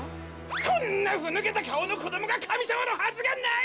こんなふぬけたかおのこどもがかみさまのはずがない！